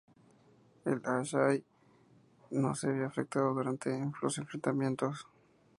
El "Asahi" no se vio afectado durante los enfrentamientos.